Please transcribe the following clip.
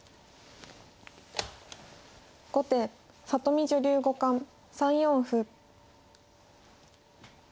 後手里見女流五冠３四歩。